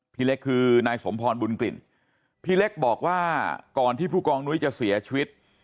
พี่เล็กคือนายสมพรบุญกลิ่นพี่เล็กบอกว่าก่อนที่ผู้กองนุ้ยจะเสียชีวิต